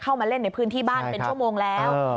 เข้ามาเล่นในพื้นที่บ้านเป็นชั่วโมงแล้ว